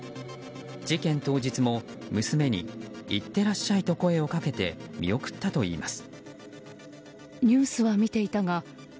事件当日も娘にいってらっしゃいと声をかけて見送ったといいます。